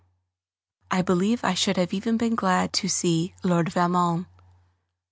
I believe I should have even been glad to see Lord Valmond.